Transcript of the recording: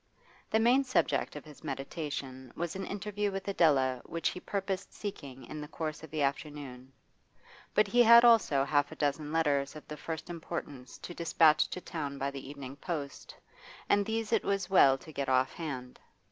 The main subject of his meditation was an interview with Adela which he purposed seeking in the course of the afternoon. But he had also half a dozen letters of the first importance to despatch to town by the evening post, and these it was well to get off hand.